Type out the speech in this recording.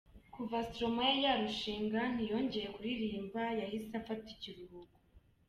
Kuva Stromae yarushinga ntiyongeye kuririmba, yahise afata ikuruhuko.